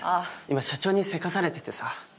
今社長にせかされててさ。